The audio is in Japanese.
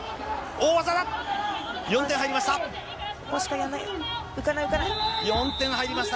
大技、４点入りました。